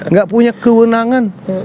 nggak punya kewenangan